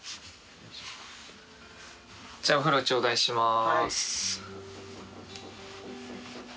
じゃあお風呂頂戴します。